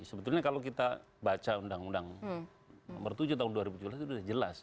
sebetulnya kalau kita baca undang undang nomor tujuh tahun dua ribu tujuh belas itu sudah jelas